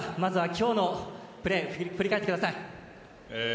今日のプレー振り返ってください。